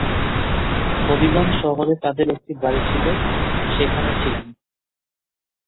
হবিগঞ্জ শহরে তাদের একটি বাড়ি ছিল, সেখানে ছিলেন।